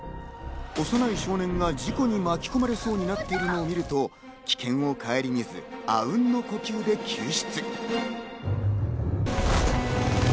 幼い少年が事故に巻き込まれそうになってるのを見ると、危険を顧みず、あうんの呼吸で救出。